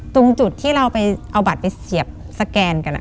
ตรงจุดที่เราไปเอาบัตรไปเสียบสแกนกัน